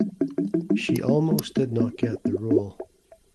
She almost did not get the role.